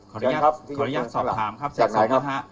ขออนุญาตสอบถามครับทรัพย์สมทร์พระฮะ